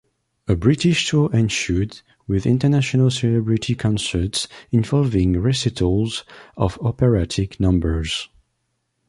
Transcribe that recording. A British tour ensued with International Celebrity Concerts, involving recitals of operatic numbers.